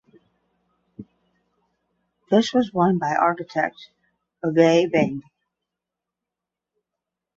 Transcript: This was won by architect Ove Bang.